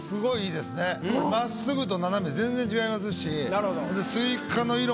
まっすぐと斜め全然違いますし。